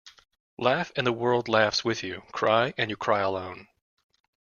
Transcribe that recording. Laugh and the world laughs with you. Cry and you cry alone.